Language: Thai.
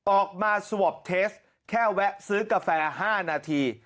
ออกมาสวอปเทสแค่แวะซื้อกาแฟ๕นาที